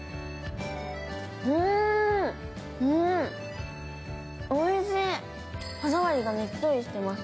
うん、おいしい。